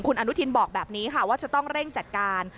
คุณอนุทินบอกแบบนี้ค่ะว่าจะต้องเร่งจัดการ